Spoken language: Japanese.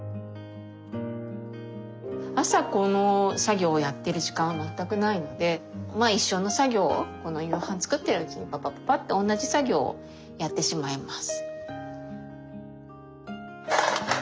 朝この作業をやってる時間は全くないのでまあ一緒の作業をこの夕飯作ってるうちにパパパパッとおんなじ作業をやってしまいます。